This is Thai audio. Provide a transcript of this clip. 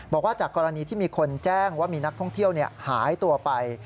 บอกว่าจากกรณีที่มีคนแจ้งว่ามีนักท่องเที่ยวหายตัวไป